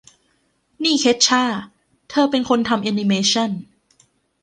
นี่เคชช่า เธอเป็นคนทำแอนิเมชั่น